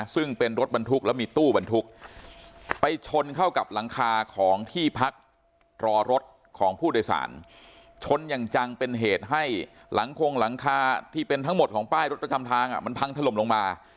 ซึ่งเป็นรถบรรทุกแล้วมีตู้บรรทุกไปชนเข้ากับหลังคาของที่พักรอรถของผู้โดยสารชนอย่างจังเป็นเหตุให้หลังคงหลังคาที่เป็นทั้งหมดของป้ายรถประจำทางมันพังถล่มลงมา